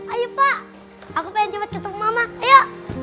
ayo pak aku pengen cepet ketemu mama ayo